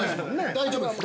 ◆大丈夫です。